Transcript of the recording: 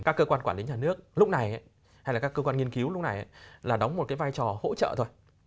các cơ quan quản lý nhà nước lúc này hay là các cơ quan nghiên cứu lúc này là đóng một cái vai trò hỗ trợ thôi